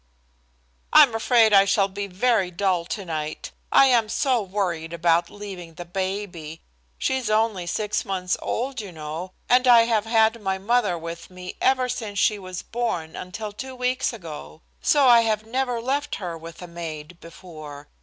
"I'm afraid I shall be very dull tonight. I am so worried about leaving the baby. She's only six months old, you know, and, I have had my mother with me ever since she was born until two weeks ago, so I have never left her with a maid before.